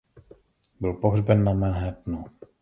Byl pohřben na Manhattanu.